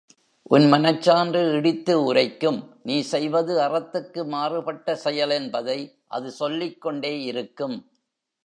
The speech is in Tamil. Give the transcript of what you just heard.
உன் மனச்சான்று இடித்து உரைக்கும் நீ செய்வது அறத்துக்கு மாறுபட்ட செயல் என்பதை அது சொல்லிக் கொண்டே இருக்கும்.